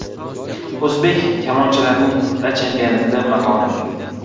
O‘zbek kamonchilarining qit’a chempionatidagi matonati